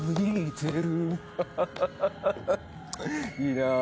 いいなぁ。